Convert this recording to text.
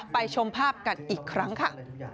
ชมภาพกันอีกครั้งค่ะ